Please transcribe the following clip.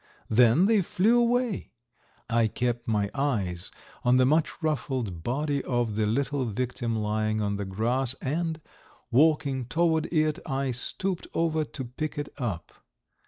Then they flew away. I kept my eyes on the much ruffled body of the little victim lying on the grass and, walking toward it, I stooped over to pick it up.